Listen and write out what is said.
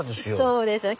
そうですよね。